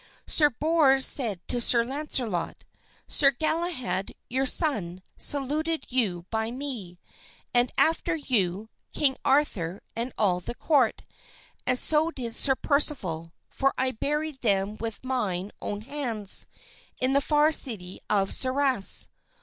Sir Bors said to Sir Launcelot, "Sir Galahad, your son, saluted you by me, and after you, King Arthur and all the court, and so did Sir Percival; for I buried them with mine own hands in the far city of Sarras.